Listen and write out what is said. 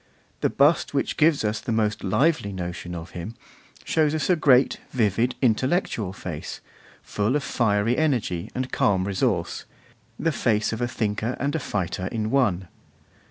The bust which gives us the most lively notion of him shows us a great, vivid, intellectual face, full of fiery energy and calm resource, the face of a thinker and a fighter in one.